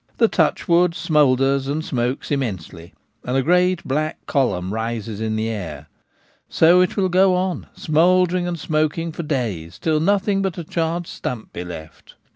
The ' touchwood ' smoulders and smokes immensely, and a great black column rises in the air. So it will go on smouldering and smoking for days till nothing An English Prairie Fire. 139 but a charred stump be left.